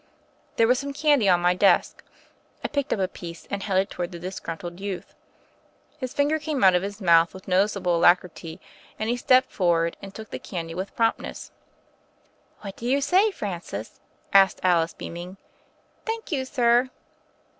There was some candy on my desk. I pidced up a piece, and held it toward the disgruntled youth. His finger came out of his mouth with noticeable alacrity, and he stepped forward, and took the candy with promptness. "What do you say, Francis?" asked Alice beaming. "Thank you, sir."